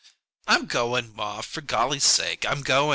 "I'm goin', ma; for golly sakes, I'm goin'!"